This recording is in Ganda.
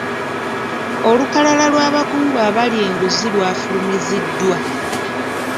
Olukalala lw'abakungu abalya enguzi lwafulumiziddwa.